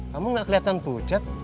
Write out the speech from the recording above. kamu enggak kelihatan pucat